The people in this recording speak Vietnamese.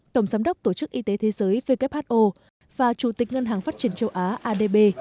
tổng giám đốc tổ chức y tế thế giới who và chủ tịch ngân hàng phát triển châu á adb